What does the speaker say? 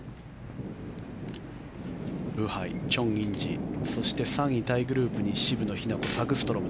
ブハイ、チョン・インジそして３位タイグループに渋野日向子